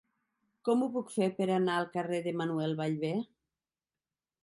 Com ho puc fer per anar al carrer de Manuel Ballbé?